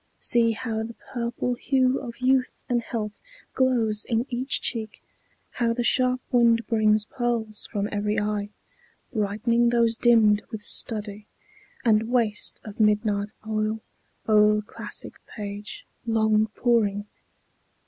See how the purple hue of youth and health Glows in each cheek; how the sharp wind brings pearls From every eye, brightening those dimmed with study, And waste of midnight oil, o'er classic page Long poring.